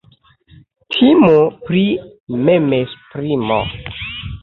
Timo pri memesprimo.